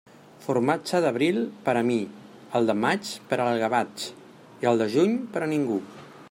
Formatge d'abril, per a mi; el de maig, per al gavatx, i el de juny, per a ningú.